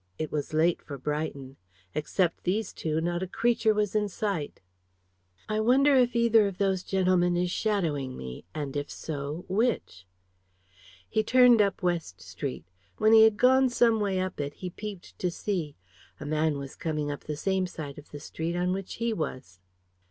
It was late for Brighton. Except these two, not a creature was in sight. "I wonder if either of those gentlemen is shadowing me, and, if so, which?" He turned up West Street. When he had gone some way up it he peeped to see. A man was coming up the same side of the street on which he was.